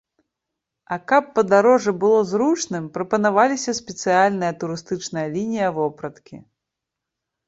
А каб падарожжа было зручным, прапанаваліся спецыяльная турыстычная лінія вопраткі.